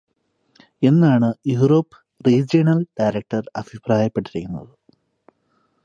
എന്നാണ് Europe regional director അഭിപ്രായപ്പെട്ടിരിക്കുന്നത്